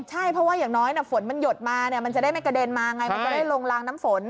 ใช่เพราะว่าอย่างน้อยฝนมันหยดมามันจะได้ไม่กระเด็นมาไงมันจะได้ลงลางน้ำฝน